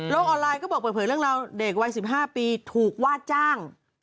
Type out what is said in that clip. ออนไลน์ก็บอกเปิดเผยเรื่องราวเด็กวัย๑๕ปีถูกว่าจ้าง